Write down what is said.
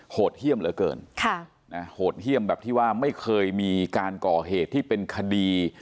โหดเยี่ยมเหลือเกินโหดเยี่ยมแบบที่ว่าไม่เคยมีการก่อเหตุที่เป็นคดี